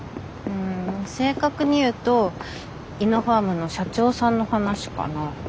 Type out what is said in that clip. うん正確に言うとイノファームの社長さんの話かな。